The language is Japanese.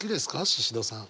シシドさん。